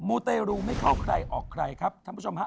ูเตรูไม่เข้าใครออกใครครับท่านผู้ชมฮะ